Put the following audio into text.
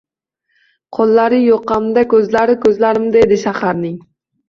Qo’llari yoqamda ko’zlari ko’zlarimda edi shaharning.